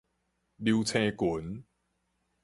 流星群